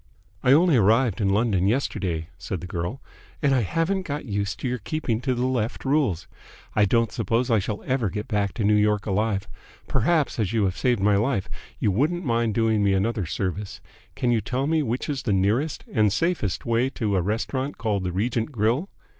"I only arrived in London yesterday," said the girl, "and I haven't got used to your keeping to the left rules. I don't suppose I shall ever get back to New York alive. Perhaps, as you have saved my life, you wouldn't mind doing me another service. Can you tell me which is the nearest and safest way to a restaurant called the Regent Grill?"